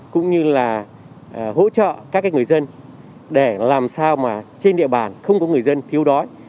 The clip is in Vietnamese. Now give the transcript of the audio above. cũng như là hỗ trợ các người dân để làm sao mà trên địa bàn không có người dân thiếu đói